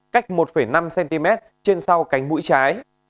cách một năm cm trên sau cánh mũi trái